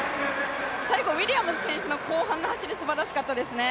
最後ウィリアムズ選手の後半の走りすばらしかったですね。